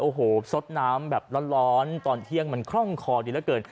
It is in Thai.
โอ้โหสดน้ำแบบร้อนตอนเที่ยงมันคล่องคอดีเหลือเกิน